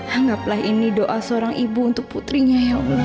anggaplah ini doa seorang ibu untuk putrinya ya allah